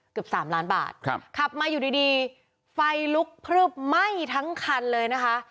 เกือบสามล้านบาทครับขับมาอยู่ดีดีไฟลุกพลึบไหม้ทั้งคันเลยนะคะ